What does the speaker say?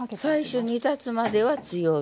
最初煮立つまでは強火。